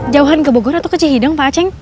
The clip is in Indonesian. jauhan ke bogor atau ke cihideng pak aceng